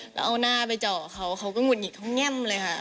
แล้วเอาหน้าไปเจาะเขาเขาก็หงุดหงิดเขาแง่มเลยค่ะ